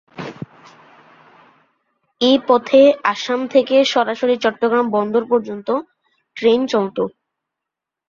এ পথে আসাম থেকে সরাসরি চট্টগ্রাম বন্দর পর্যন্ত ট্রেন চলত।